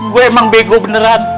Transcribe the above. gue emang bego beneran